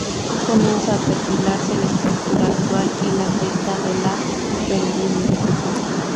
Comienza a perfilarse la estructura actual de la Fiesta de la Vendimia.